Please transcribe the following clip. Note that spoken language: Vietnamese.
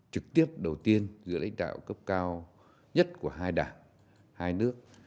trực tiếp đầu tiên giữa lãnh đạo cấp cao nhất của hai đảng hai nước